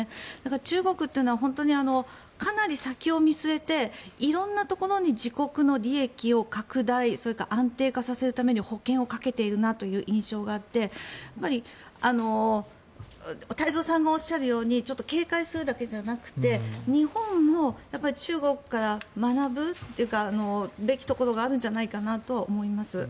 中国というのは本当にかなり先を見据えて色んなところに自国の利益を拡大それから安定化させるために保険をかけてるなという印象があって太蔵さんがおっしゃるように警戒するだけじゃなくて日本も中国から学ぶべきところがあるんじゃないかなと思います。